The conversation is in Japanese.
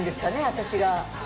私が。